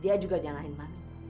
dia juga nyalahin mami